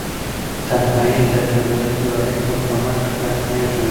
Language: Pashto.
تنهایي د ټولنیزو اړیکو په مټ ختمیږي.